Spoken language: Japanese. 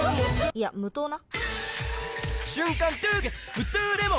いや無糖な！